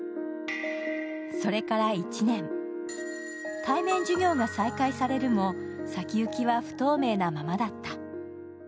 それから１年、対面授業が再開されるも先行きは不透明なままだった。